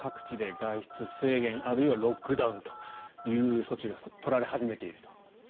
各地で外出制限あるいはロックダウンという措置が取られ始めていると。